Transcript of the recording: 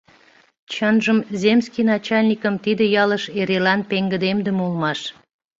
Чынжым, земский начальникым тиде ялыш эрелан пеҥгыдемдыме улмаш.